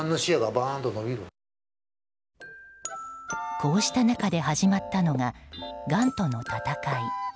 こうした中で始まったのががんとの闘い。